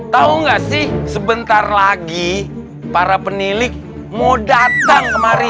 tahu nggak sih sebentar lagi para penilik mau datang kemari